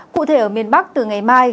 cụ thể ở miền bắc từ ngày mai